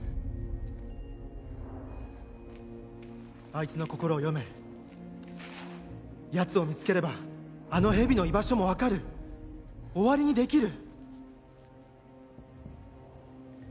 あいつの心を読めやつを見つければあのヘビの居場所も分かる終わりにできる∈